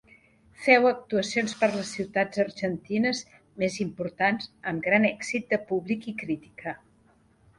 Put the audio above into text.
Féu actuacions per les ciutats argentines més importants, amb gran èxit de públic i crítica.